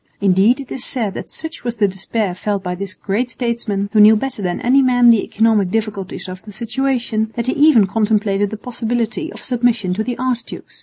Indeed it is said that such was the despair felt by this great statesman, who knew better than any man the economic difficulties of the situation, that he even contemplated the possibility of submission to the archdukes.